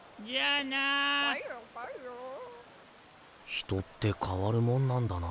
人って変わるもんなんだな。